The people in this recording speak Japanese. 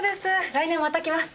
来年また来ます。